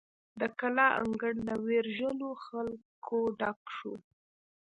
د کلا انګړ له ویرژلو خلکو ډک شو.